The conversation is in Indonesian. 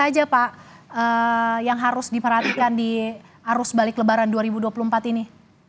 apa saja pak yang harus diperhatikan di arus balik lebaran dua ribu dua puluh empat ini